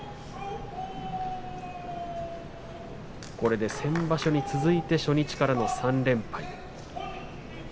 これで先場所に続いて初日からの３連敗です。